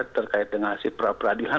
terkait dengan hasil peradilan